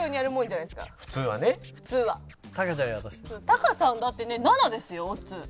タカさんだってね７ですよオッズ。